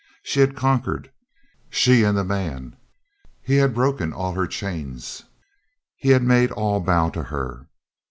She had conquered, she and the man. He had broken all her chains, he made all bow to her.